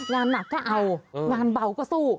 งานหนักก็เอางานเบาก็สู้